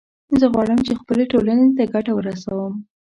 زه غواړم چې خپلې ټولنې ته ګټه ورسوم